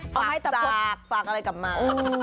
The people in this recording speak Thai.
ฝากฝากอะไรกลับมา